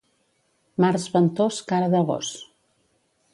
Març ventós, cara de gos.